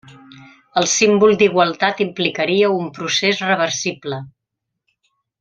El símbol d'igualtat implicaria un procés reversible.